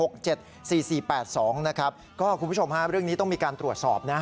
คุณผู้ชมฮะเรื่องนี้ต้องมีการตรวจสอบนะ